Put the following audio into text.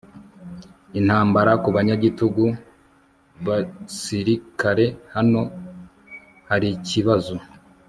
intambara ku banyagitugu! basirikare, hano harikibazo